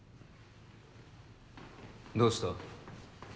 どうした？